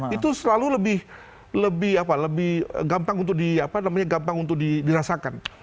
pencuri itu selalu lebih lebih apa lebih gampang untuk di apa namanya gampang untuk dirasakan